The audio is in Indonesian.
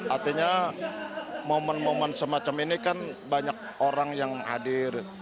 artinya momen momen semacam ini kan banyak orang yang hadir